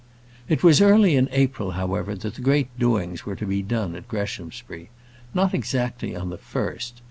It was early in April, however, that the great doings were to be done at Greshamsbury. Not exactly on the first.